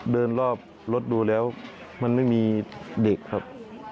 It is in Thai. เดินรอบรถดูแล้วมันไม่มีเด็กครับ